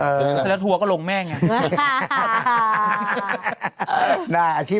แล้วทัวก็ลงแม่งอย่างนี้